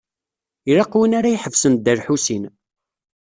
Ilaq win ara iḥebsen Dda Lḥusin.